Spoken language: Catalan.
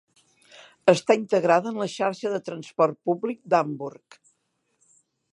Està integrada en la xarxa de transport públic d'Hamburg.